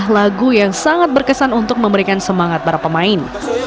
lagu yang sangat berkesan untuk memberikan semangat para pemain